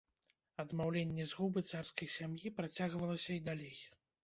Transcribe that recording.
Адмаўленне згубы царскай сям'і працягвалася і далей.